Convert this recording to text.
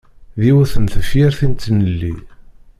Yiwet n tefyirt i tnelli.